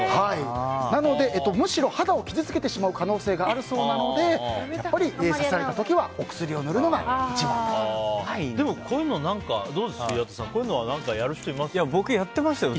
むしろ肌を傷つけてしまう可能性があるそうなのでやっぱり刺された時はお薬を塗るのがでも、こういうの僕やってましたよ